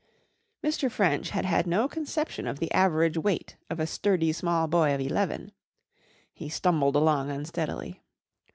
Mr. French had had no conception of the average weight of a sturdy small boy of eleven. He stumbled along unsteadily.